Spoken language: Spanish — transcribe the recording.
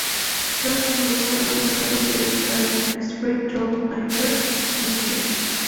Dos singles fueron lanzados de este álbum: "Straight Through My Heart" y "Bigger".